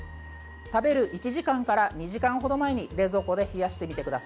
食べる１時間から２時間ほど前に冷蔵庫で冷やしてみてください。